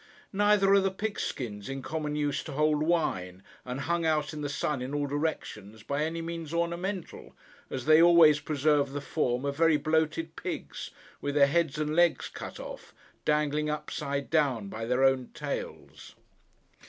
Neither are the pig skins, in common use to hold wine, and hung out in the sun in all directions, by any means ornamental, as they always preserve the form of very bloated pigs, with their heads and legs cut off, dangling upside down by their own tails.